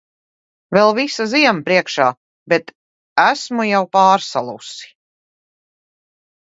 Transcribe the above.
Vēl visa ziema priekšā, bet esmu jau pārsalusi!